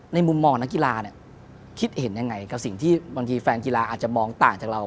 มุมมองนักกีฬาเนี่ยคิดเห็นยังไงกับสิ่งที่บางทีแฟนกีฬาอาจจะมองต่างจากเรา